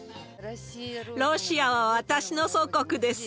ロシアは私の祖国です。